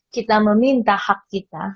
kita meminta hak kita